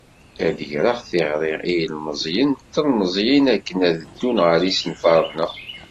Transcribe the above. Ad d-greɣ tiɣri i yilemẓiyen d tlemẓiyin akken ad d-ddun ɣer yisenfaren-a.